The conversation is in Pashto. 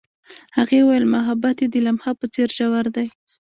هغې وویل محبت یې د لمحه په څېر ژور دی.